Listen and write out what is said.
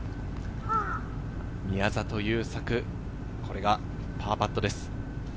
宮里優作、これがパーパットです。